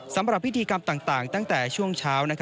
สำหรับพิธีกรรมต่างตั้งแต่ช่วงเช้า